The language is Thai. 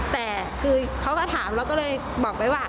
แต่คือเขาก็ถามเราก็เลยบอกไปว่า